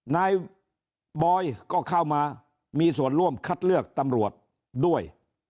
นายบอยก็เข้ามามีส่วนร่วมคัดเลือกตำรวจด้วย